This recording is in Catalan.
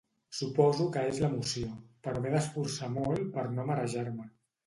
Suposo que és l'emoció, però m'he d'esforçar molt per no marejar-me.